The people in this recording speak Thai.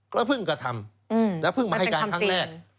ก็เพิ่งกระทำแล้วเพิ่งมาให้การครั้งแรก